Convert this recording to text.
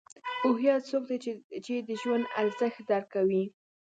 هوښیار څوک دی چې د ژوند ارزښت درک کوي.